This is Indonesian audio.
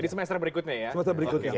di semester berikutnya ya